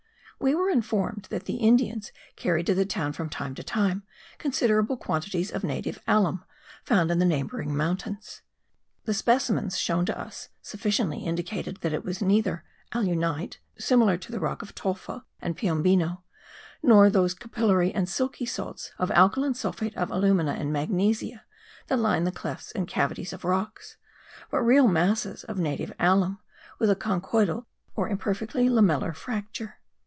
We were informed that the Indians carried to the town from time to time considerable quantities of native alum, found in the neighbouring mountains. The specimens shown to us sufficiently indicated that it was neither alunite, similar to the rock of Tolfa and Piombino, nor those capillary and silky salts of alkaline sulphate of alumina and magnesia that line the clefts and cavities of rocks, but real masses of native alum, with a conchoidal or imperfectly lamellar fracture.